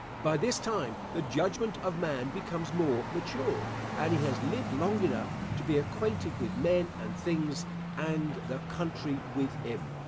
By this time the judgment of man becomes more matured, and he has lived long enough to be acquainted with men and things, and the country with him.